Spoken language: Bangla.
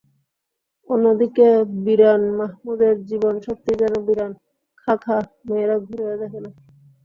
অন্যদিকে বিরান মাহমুদের জীবন সত্যিই যেন বিরান, খাঁ খাঁ—মেয়েরা ঘুরেও দেখে না।